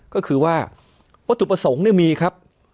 ก็คือว่าวัตถุประสงค์เนี่ยมีครับ